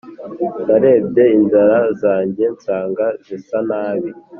Narebye inzara zanjye nsanga zisa nabi